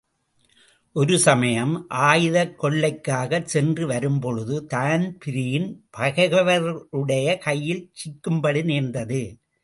ஒரு சமயம் ஆயுதக் கொள்ளைக்காகச் சென்று வரும்பொழுது தான்பிரீன் பகைவர்களுடைய கையில் சிக்கும்படி நேர்ந்தது.